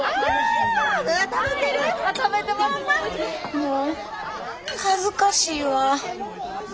もう恥ずかしいわ。